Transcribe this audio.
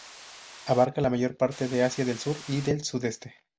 Abarca la mayor parte de Asia del sur y del sudeste.